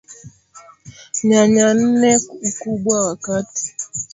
Nyanya nne Ukubwa wa kati